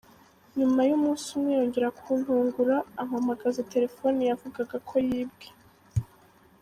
Nyuma y’umunsi umwe yongera kuntungura ampamamagaza telefoni yavugaga ko yibwe.